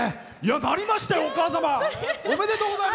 やりましたよ、お母様。